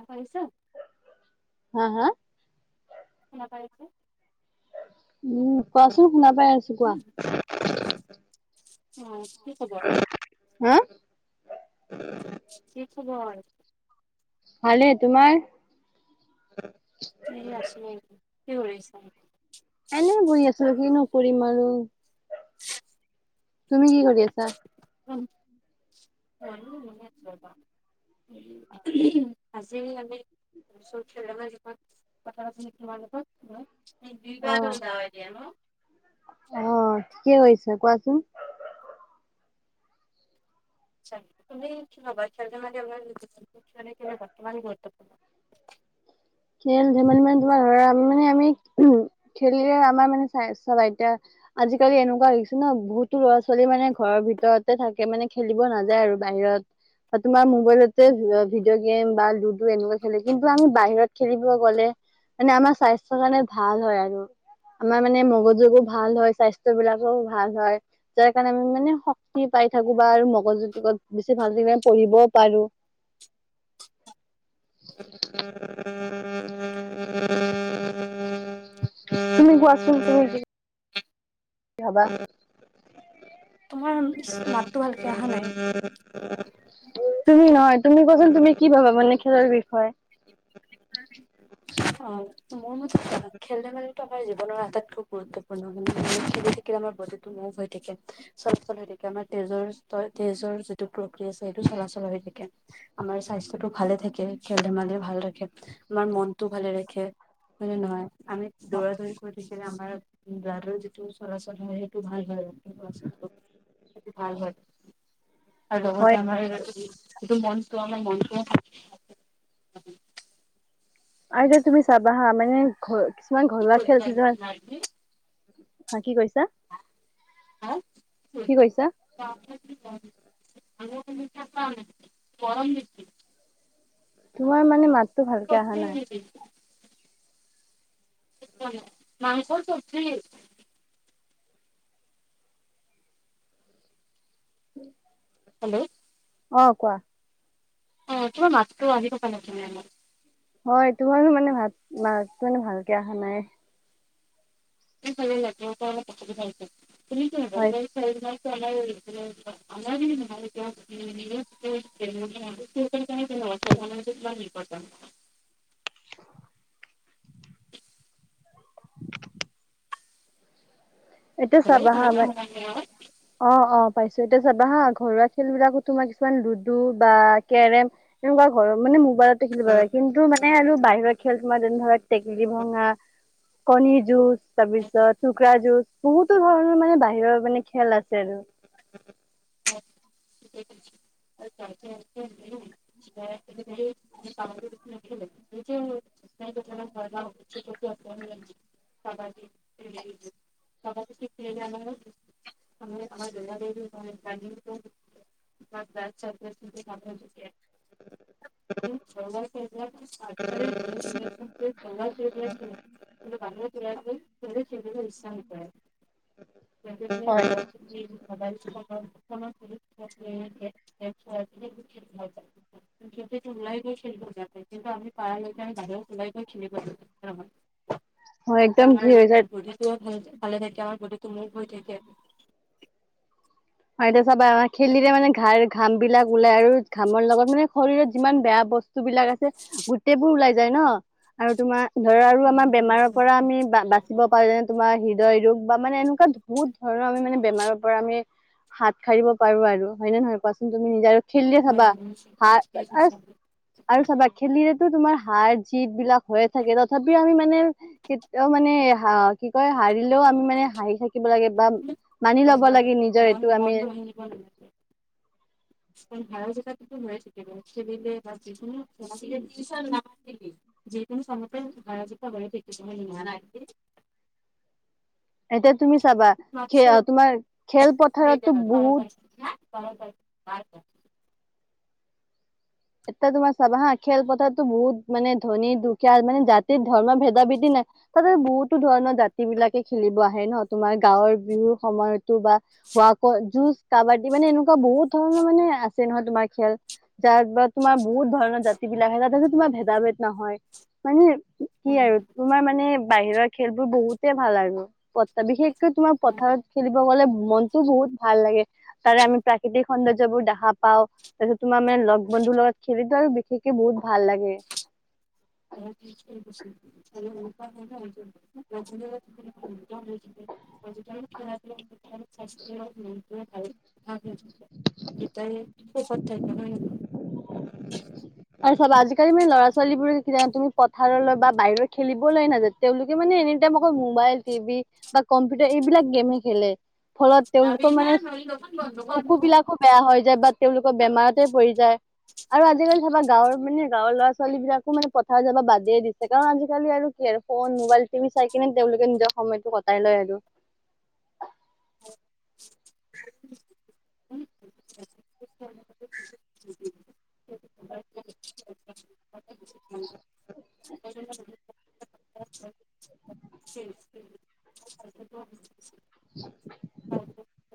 অঁ' পাৰিছা? হাঁ হাঁ? শুনা পাই আছা? উম' কোৱাচোন, শুনা পাই আছোঁ কোৱা। অঁ' কি খবৰ? হাঁ? কি খবৰ? ভালে তোমাৰ? এই আছো আৰু এনেই, কি কৰিছা? এনেই বহি আছোঁ কিনো কৰিম আৰু, তুমি কি কৰি আছা? ময়ো এনেই আছো ৰবা। [unintelligible] আজি কালি [unintelligible] তোমা লগত ময়। [unintelligible] অঁ' কি কৰিছা কোৱাচোন? [unintelligible] খেল ধেমালি মানে তোমাৰ ধৰা আমি মানে আমি খেলিলে আমাৰ মানে স্বাস্থ্য এতিয়া- আজি কালি এনেকুৱা হৈছে ন' বহুতো ল'ৰা ছোৱালী মানে ঘৰৰ ভিতৰতে থাকে মানে খেলিব নাজায় আৰু বাহিৰত। তোমাৰ মোবাইলতে ভিডিঅ' গেম বা লুডু এনেকুৱা খেলে, কিন্তু আমি বাহিৰত- খেলিব গ'লে মানে আমাৰ স্বাস্থ্যৰ কাৰণে ভাল হয় আৰু। আমাৰ মানে মগজুবোৰ ভাল হয়, স্বাস্থ্য বিলাকো ভাল হয়। যাৰ কাৰণে আমি মানে শক্তি পাই থাকো বা আৰু মগজু তোকত বেছি ভাল কিনে পঢ়িবও পাৰো। [unintelligible] তুমি কোৱাচোন তুমি কি হ'বা? তোমাৰ মাতটো ভালকে আহা নাই। তুমি নহয়, তুমি কোৱাচোন তুমি কি ভাবা মানে খেলৰ বিষয়ে? [unintelligible] [unintelligible] অ', মোৰ মতে খেল খেল ধেমালিটো আমাৰ জীৱনৰ আটাইতকৈ গুৰুত্বপূৰ্ণ মানে‌ [unintelligible] [unintelligible] আমাৰ বডিটো মুভ হৈ থাকে। চলাচল হৈ থাকে আমাৰ তেজৰ, তেজৰ যিটো প্ৰক্ৰিয়া আছে সেইটো চলাচল হৈ থাকে। আমাৰ স্বাস্থ্যটো ভালে থাকে খেল ধেমালিয়ে ভাল ৰাখে। আমাৰ মনটো ভালে ৰাখে হয়নে নহয়? আমি দৌৰা দৌৰি কৰি থাকি আমাৰ ব্লাদৰ যিটো চলাচল হয়, সেইটো ভাল হয়, আৰু চলাচলটো। ভাল হয়। আৰু হয় লগতে আমাৰ যিটো মনটো আমাৰ মনটোও আৰু যে, তুমি চাবা হা মানে ঘৰ কিছুমান ঘৰুৱা খেল [unintelligible] হা কি কৈছা? কি কৈছা [unintelligible] [unintelligible] গৰম দিছে তোমাৰ মানে মাত [unintelligible] মাংসৰ চবজি হেল্ল'! অ', কোৱা। অ', তোমাৰ মাতটো আহি থকা [unintelligible] হয়, তোমাৰো মানে ভাত-মাতটো মানে ভালকে আহা নাই। হয় [unintelligible] [unintelligible] [unintelligible] এইটোৱে চাবা হা ভাবা মই অ', অ', পাইছোঁ এতিয়া যাবা হা ঘৰুৱা খেল বিলাকতো কিছুমান লুডু বা কেৰেম তেনেকুৱা ঘৰৰ মানে মোবাইলতে খেলিব লাগে কিন্তু মানে আৰু বাহিৰৰ খেল তোমাৰ যেনে ধ-ধৰি টেকেলি ভঙা কণী যুঁজ হেল্ল' তাৰপিছত কুকুৰা যুঁজ বহুতো ধৰণৰ মানে বাহিৰৰ মানে খেল আছে আৰু। [unintelligible] [unintelligible] [unintelligible] [unintelligible] [unintelligible] [unintelligible] আজিকালি [unintelligible] কিন্তু বাহিৰত ওলাই গৈ [unintelligible] খেলিবলৈ ইচ্ছা নকৰে। উম [inaudible] [unintelligible] ঘৰতে বহি মবাইল চোবাইল [unintelligible] সিহঁতেটো ওলাই গৈ খেলিব বেয়া পায় কিন্তু আমি পাৰা লৈকে বাহিৰত ওলাই গৈ খেলিব [unintelligible] উ [unintelligible] তেতিয়া আমাৰ বডীটোও ভাল ভালে থাকে, আমাৰ বডীটোও মুভ হৈ থাকে। এতিয়া চাবা খেলিলে মানে ঘা ঘাম ওলাই আৰু ঘামৰ লগত মানে শৰীৰত যিমান বেয়া বস্তু বিলাক আছে গোটেই বোৰ ওলাই যায় ন, আৰু তোমাৰ ধৰা আৰু হয় আমাৰ বেমাৰৰ পৰা আমি বা বা ছিব পাৰে, যেনে তোমাৰ হৃদয় ৰোগ বা মানে এনেকুৱা বহুত ধৰণৰ আমি মানে বেমাৰৰ পৰা আমি হাত সাৰিব পাৰো আৰু হয়নে নহয় কোৱাচোন তুমি নিজে। খেলিলে চাবা হাত আৰু [inaudible] আৰু চাবা খেলিলেতো তোমাৰ হাৰ জিত বিলাক হৈয়ে থাকে, তথাপিও আমি মানে কেতিয়াও মানে হা কি কয় হাৰিলেও আমি মানে হাঁহি থাকি থাকিব লাগে বা, মানি লব লাগে নিজৰ এইটো আমি মাতটো ভাঙি ভাঙি আহিছে। [inaudible] [inaudible] [inaudible] এতিয়া তুমি চাবা যে নহয় তোমাৰ খেলপথাৰতো দেউতাই বহুত [unintelligible] এতিয়া তোমাৰ চাবা হা খেলপথাৰতো বহুত মানে ধনী দুখীয়া মানে জাতিৰ ধৰ্ম ভেদা ভেদি নাই। তাতে বহুতো ধৰণৰ জাতি বিলাকে খেলিব আহে ন, তোমাৰ গাঁৱৰ বিহুৰ সময়ত টো বা হোৱাকৈ জু কাবাডী এনেকুৱা বহুত ধৰণৰ মানে আ ছে নহয় তোমাৰ খেল জাত বাত তোমাৰ বহুত ধৰণৰ জাতি বিলাক আহ তাতে তোমাৰ ভেদা ভেদ নহয়। মানে কি আৰু তোমাৰ মানে বাহিৰৰ খেলবোৰ বহুতে ভাল আৰু, প বিশেষকৈ তোমাৰ পথাৰত খেলিব গ'লে মনতটো বহুত ভাল লাগে। তাৰে আমি প্ৰাকৃতিক সৌন্দৰ্যবোৰ দেখা পাও, তাৰপিছত তোমাৰ মানে লগ বন্ধুৰ লগত চুৰিতদাল বিশেষকে বহুত ভাল লাগে। [inaudible] [inaudible] [inaudible] আৰু চব আজিকালি মানে লৰা ছোৱালীৰ বোৰে যে তুমি পথাৰলৈ বা বাহিৰৰ খেলিবলৈ নাযায়। তেওঁলোকে মানে এনি টাইম অকল মোবাইল টিভি বা কম্পিউটাৰ এইবিলাক গেমহে খেলে। ফলত তেওঁলোক যাবি না মানে নহ'লে দোকান বন্ধ শকু বিলাকক বেয়া হৈ যায় বা তেওঁলোকৰ বেমাৰতে পৰি যায়, আৰু আজিকালি চাবা গাঁৱৰ মানে গাঁৱৰ লৰা ছোৱালি বিলাকো মানে পথাৰ যাব বাদে দিছে, কাৰণ আজিকালি আৰু কি আৰু ফোন মোবাইল টিভি চাই কিনে, তেওঁলোকে নিজৰ সময়টো কটাই লয় আৰু। [unintelligible] আচ্ছা [inaudible] [unintelligible] [unintelligible]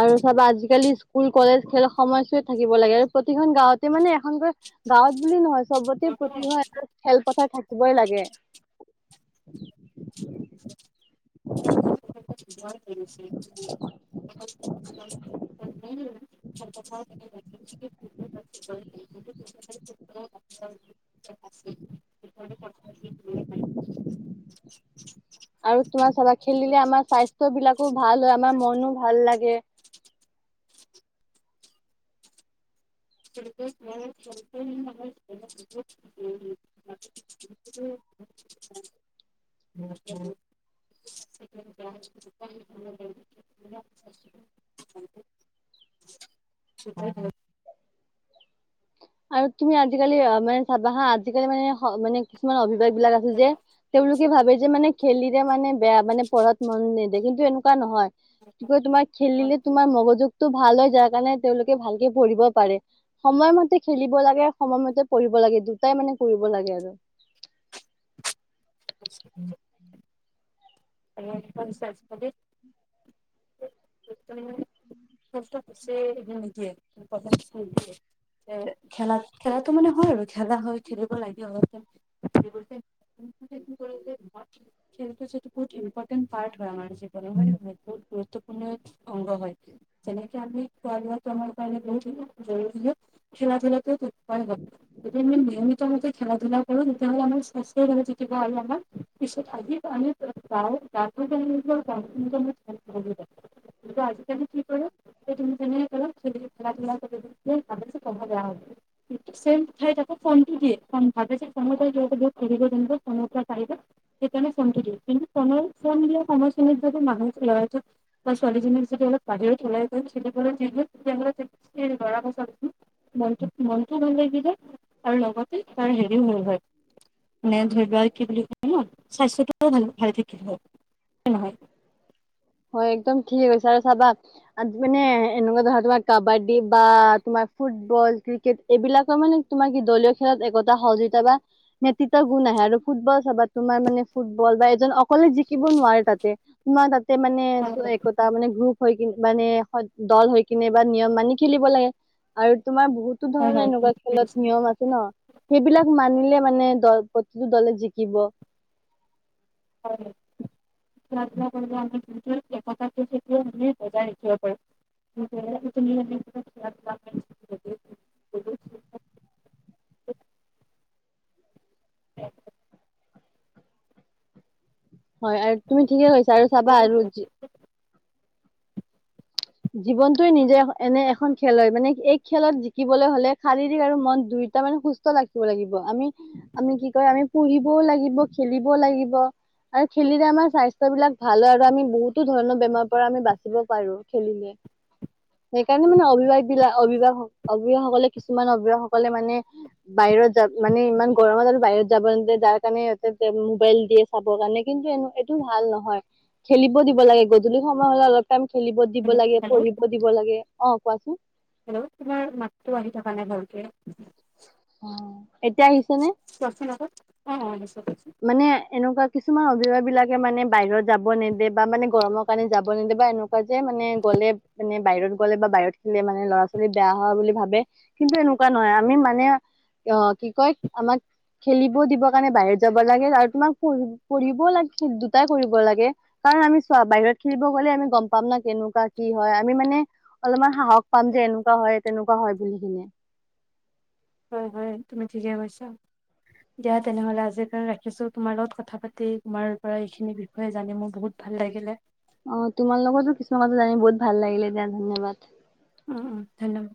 আৰু চাবা আজিকালি স্কুল কলেজ খেল সময়ছোৱাত থাকিব লাগে, আৰু প্ৰতিখন গাঁওঁতে মানে এখনকৈ গাঁৱত বুলি নহয় চবতে কৰিব। প্ৰতি ঘৰত খেলপথাৰ থাকিবই লাগে। [unintelligible] [unintelligible] [unintelligible] [unintelligible] [unintelligible] [unintelligible] আৰু তোমাৰ চাবা খেলিলে আমাৰ স্বাস্থ্য বিলাকো ভাল হয়, আমাৰ মনো ভাল লাগে। [unintelligible] [unintelligible] [unintelligible] [unintelligible] [unintelligible] [unintelligible] [unintelligible] [unintelligible] আৰু তুমি আজিকালি মানে চাবা হা আজিকালি মানে-মানে কিছুমান অভিভাবক বিলাক আছে যে তেওঁলোকে ভাবে যে মানে খেলিলে মানে বেয়া, মানে পঢ়াত মন নেদে কিন্তু এনেকুৱা নহয়। কি কয় তোমাৰ খেলিলে তোমাৰ মগজুগতটো ভাল হয়, যাৰ কাৰণে তেওঁলোকে ভালকে পঢ়িব পাৰে। সময়মতে খেলিব লাগে, সময়মতে পঢ়িব লাগে দুটাই মানে কৰিব লাগে আৰু। [unintelligible] [unintelligible] [unintelligible] খেলা-খেলাটো মানে হয় আৰু খেলা হয়, খেলিব লাগে অলপ টাইম। [unintelligible] খেলটো যিহেতু বহুত ইম্পৰ্টেণ্ট পাৰ্ত হয় আমাৰ জীৱনৰ, [unintelligible] অংগ হৈ কিয়। যেনেকে আমি [unintelligible] খেলা ধুলাটো [unintelligible] [unintelligible] নিয়মিত ভাৱে খেলা ধূলা কৰোঁ, তেতিয়াহলে আমাৰ স্বাস্থ্য [unintelligible] [unintelligible] [inaudible] [unintelligible] আজিকালি কি কৰে [unintelligible] ছেম ঠাইত আকৌ ফোনটো দিয়ে কাৰণ ভাবে যে [unintelligible] সেইকাৰণে ফোনটো দিয়ে, কিন্তু [unintelligible] ছোৱালীজনি যদি অলপ বাহিৰত ওলাই যাই খেলিবলৈ [unintelligible] মনটো, মনটোও ভাল লাগিলে, আৰু লগতে তাৰ হেৰিও হব পাৰে। [unintelligible] হয়, একদম ঠিক হৈছে আৰু চাবা [unintelligible] এনেকুৱা ধৰা তোমাৰ কাবাডী বা তোমাৰ ফুটবল ক্ৰিকেট এইবিলাকৰ মানে তোমাৰ কি দলীয় খেলত একতা সহযোগিতা বা নেতৃত্ব গুণ আহে আৰু ফুটবল চাবা, তোমাৰ মানে ফুটবল বা এজন অকলে জিকিব নোৱাৰে তাতে। তোমাৰ তাতে মানে হয় [unintelligible] টা মানে গ্ৰুপ হৈ কিনে মানে দল হৈ কিনে বা নিয়ম মানি খেলিব লাগে। আৰু তোমাৰ বহুতো হয় ধৰণৰ এনেকুৱা হয় খেলত নিয়ম আছে ন? সেইবিলাক মানিলে মানে দল প্ৰতিটো দলে জিকিব। [unintelligible] [unintelligible] বজাই ৰাখিব পাৰোঁ। [unintelligible] [inaudible] হয় আৰু তুমি ঠিকে কৈছা, আৰু চাবা আৰু জীৱনটোৱে নিজে এনে এখন খেল হয়, মানে এই খেলত জিকিবলৈ হলে শাৰীৰিক আৰু মন দুই তাৰমানে সুস্থ ৰাখিব লাগিব, আমি, আমি কি কয় আমি পঢ়িবও লাগিব খেলিবও লাগিব। আৰু খেলিলে আমাৰ স্বাস্থ্য বিলাক ভাল হয় আৰু আমি বহুতো ধৰণৰ বেমাৰৰ পৰা আমি বাচিব পাৰোঁ। খেলিলে। সেইকাৰণে মানে অভিভাস বিলাক অভিভাস অভিভাৱকসকলে কিছুমান অভিভাৱসকলে মানে বাহিৰত যাব মানে ইমান গৰমত আৰু বাহিৰত যাব নিদিয়ে যাৰ কাৰণে ইহঁতে [unintelligible] মোবাইল দি। চাব কাৰণে কিন্তু এইটো ভাল নহয় খেলিব দিব লাগে গধূলি সময় হ'লে অলপ টাইম খেলিব দিব লাগে, হেল্ল' পঢ়িব দিব লাগে, অ' কোৱাচোন। হেল্ল' তোমাৰ মাতটো আহি থকা নাই ভালকে। অ' এতিয়া আহিছে নে? [unintelligible] মানে এনেকুৱা কিছুমান অভিভাৱকবিলাকে মানে বাহিৰত যাব নেদে বা মানে গৰমৰ কাৰণে যাব নিদিয়ে বা এনেকু [unintelligible] মানে গ'লে মানে বাহিৰত গ'লে বা বাহিৰত [unintelligible] মানে লৰা ছোৱালী বেয়া হোৱা বুলি ভাৱে। কিন্তু এনেকুৱা নহয়? আমি মানে অ কি কয় আমাক খেলিব দিবৰ কাৰণে বাহিৰত যাব লাগে আৰু তোমাক পঢ-পঢ়িবও লাগ দুটাই কৰিব লাগে। কাৰণ আমি চোৱা বাহিৰত খেলিব গ'লে আমি গম পাম না কেনেকুৱা কি হয় আমি মানে অলপমান সাহস পাম যে এনেকুৱা হয় তেনেকুৱা হয় বুলি কিনে। উম হয়, তুমি ঠিকে কৈছা। দিয়া তেনেহ'লে আজিৰ কাৰণে ৰাখিছোঁ তোমাৰ লগত কথা পাতি তোমাৰ পৰা এইখিনি বিভি হয়, জানি মোৰ বহুত ভাল লাগিলে। অ তোমাৰ লগতো কিছুমান জানি বহুত ভাল লাগিলে দিয়া ধন্যবাদ। উম, উম ধন্যবাদ।